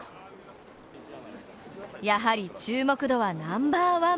やはり注目度はナンバーワン。